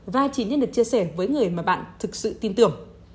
và chỉ nên được chia sẻ với người mà bạn thực sự tin tưởng